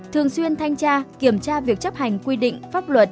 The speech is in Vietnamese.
thường xuyên thanh tra kiểm tra việc chấp hành quy định pháp luật